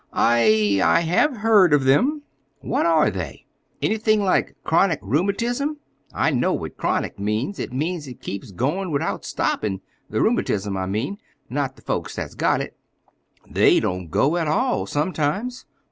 "I—I have heard of them." "What are they? Anything like chronic rheumatism? I know what chronic means. It means it keeps goin' without stoppin'—the rheumatism, I mean, not the folks that's got it. they don't go at all, sometimes.